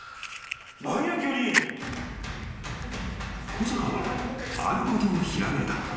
［小坂はあることをひらめいた］